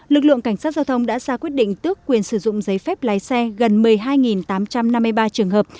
lực lượng cảnh sát giao thông đã ra quyết định tước quyền sử dụng giấy phép lái xe gần một mươi hai tám trăm năm mươi ba trường hợp